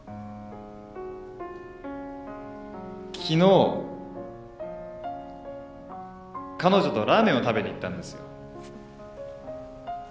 昨日彼女とラーメンを食べに行ったんですよ。